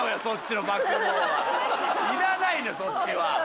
そっちのバックボーンは。